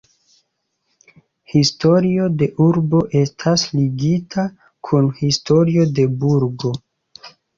Historio de urbo estas ligita kun historio de burgo.